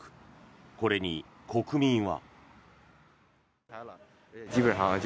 これに国民は。